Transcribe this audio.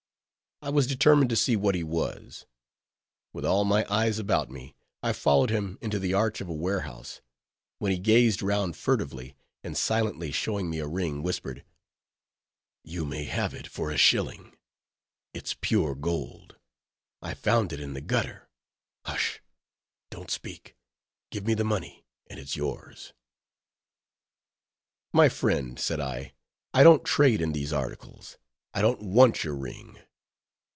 I was determined to see what he was. With all my eyes about me, I followed him into the arch of a warehouse; when he gazed round furtively, and silently showing me a ring, whispered, "You may have it for a shilling; it's pure gold—I found it in the gutter—hush! don't speak! give me the money, and it's yours." "My friend," said I, "I don't trade in these articles; I don't want your ring."